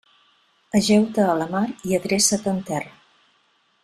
Ajeu-te a la mar i adreça't en terra.